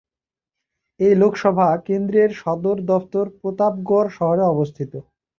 এই লোকসভা কেন্দ্রের সদর দফতর প্রতাপগড় শহরে অবস্থিত।